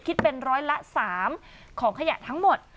คิดเป็นร้อยละ๓ของขยะทั้งหมด